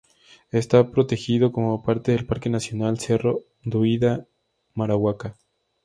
Esta protegido como parte del Parque Nacional Cerro Duida-Marahuaca.